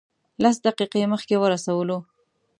لس دقیقې مخکې ورسولو.